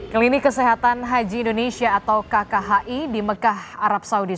klinik kesehatan haji indonesia atau kkhi di mekah arab saudi